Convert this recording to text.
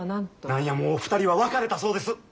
何やもう２人は別れたそうです。